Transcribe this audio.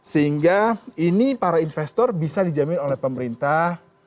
sehingga ini para investor bisa dijamin oleh pemerintah